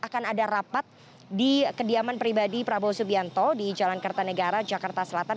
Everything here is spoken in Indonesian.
akan ada rapat di kediaman pribadi prabowo subianto di jalan kertanegara jakarta selatan